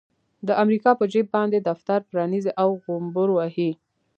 د امريکا په جيب باندې دفتر پرانيزي او غومبر وهي.